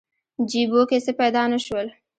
جیبو کې څه پیدا نه شول.